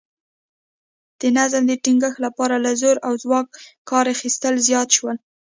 د نظم د ټینګښت لپاره له زور او ځواکه کار اخیستل زیات شول